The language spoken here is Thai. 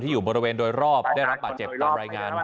อยู่บริเวณโดยรอบได้รับบาดเจ็บตามรายงาน